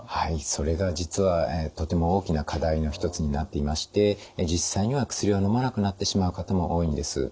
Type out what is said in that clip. それが実はとても大きな課題の一つになっていまして実際には薬をのまなくなってしまう方も多いんです。